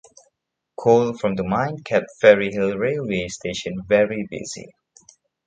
Coal from the mine kept Ferryhill railway station very busy.